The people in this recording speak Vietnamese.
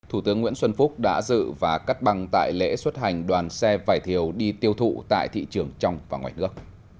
thủ tướng nguyễn xuân phúc đã dự và cắt băng tại lễ xuất hành đoàn xe vải thiều đi tiêu thụ tại thị trường trong và ngoài nước